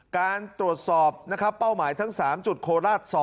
การตรวจสอบนะครับเป้าหมายทั้ง๓จุดโคราช๒